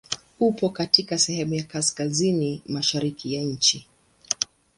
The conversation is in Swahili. Upo katika sehemu ya kaskazini mashariki ya nchi.